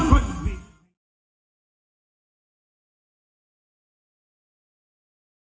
โปรดติดตามตอนต่อไป